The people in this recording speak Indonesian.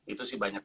itu sih banyak